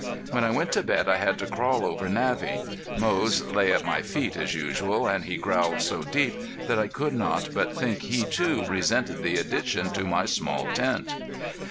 When I went to bed I had to crawl over Navvy. Moze lay at my feet as usual and he growled so deep that I could not but think he, too, resented the addition to my small tent.